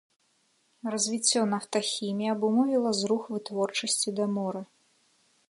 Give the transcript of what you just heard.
Развіццё нафтахіміі абумовіла зрух вытворчасці да мора.